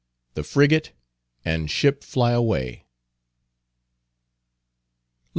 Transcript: THE FRIGATE, AND SHIP FLYAWAY.